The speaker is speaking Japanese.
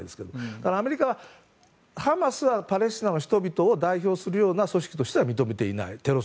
だからアメリカはハマスはパレスチナの人々を代表する組織としては認めていない。